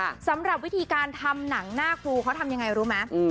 สำหรับวิธีการทำหนังหน้าครูเขาทำยังไงรู้ไหมอืม